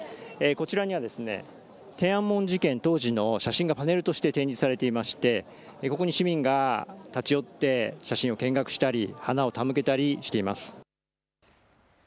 こちらには天安門事件当時の写真がパネルとして展示されていまして、ここに市民が立ち寄って、写真を見学したり、花を手向けたりしています。